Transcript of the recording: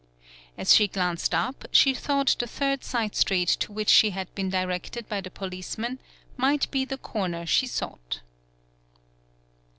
As she glanced up she thought the third side street to which she had been di rected by the policeman might be the corner she sought.